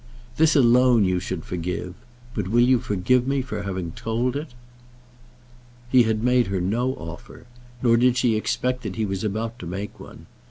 This alone you should forgive; but will you forgive me for having told it?" He had made her no offer, nor did she expect that he was about to make one.